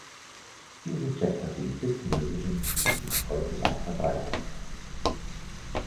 Diese Chesterfield-Sitzmöbel sind noch heute weit verbreitet.